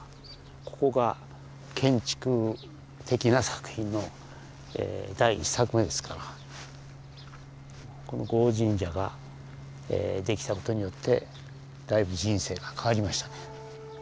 ここが建築的な作品の第１作目ですからこの護王神社ができたことによってだいぶ人生が変わりましたね。